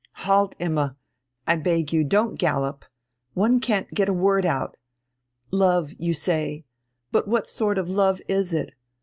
"Halt, Imma, I beg you, don't gallop.... One can't get a word out.... Love, you say. But what sort of love is it?